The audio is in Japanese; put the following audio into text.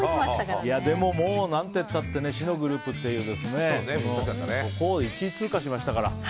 でも何てったって死のグループというところを１位通過しましたから。